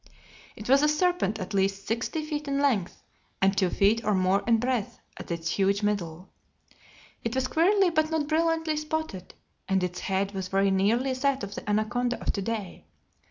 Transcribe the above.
It was a serpent at least sixty feet in length, and two feet or more in breadth at its huge middle. It was queerly but not brilliantly spotted, and its head was very nearly that of the anaconda of to day.